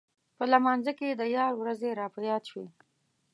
په لمانځه کې د یار ورځې راپه یاد شوې.